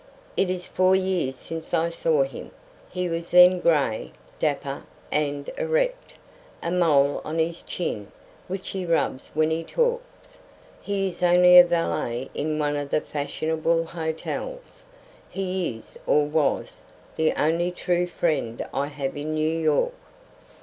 "It is four years since I saw him. He was then gray, dapper, and erect. A mole on his chin, which he rubs when he talks. He is a valet in one of the fashionable hotels. He is or was the only true friend I have in New York."